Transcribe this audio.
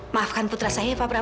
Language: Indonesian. maafkan putra saya pak prabowo